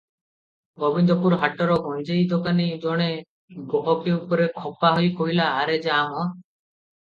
ଗୋବିନ୍ଦପୁର ହାଟର ଗଞ୍ଜେଇଦୋକାନୀ ଜଣେ ଗହକି ଉପରେ ଖପା ହୋଇ କହିଲା, "ଆରେ ଯା ମ ।